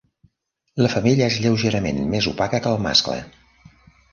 La femella és lleugerament més opaca que el mascle.